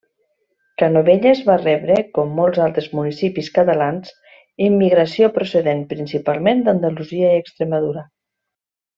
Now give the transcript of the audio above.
Canovelles va rebre, com molts altres municipis catalans, immigració procedent -principalment- d'Andalusia i Extremadura.